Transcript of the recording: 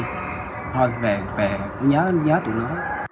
thôi về về nhớ tụi nó